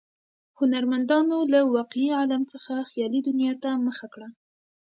هنرمندانو له واقعي عالم څخه خیالي دنیا ته مخه کړه.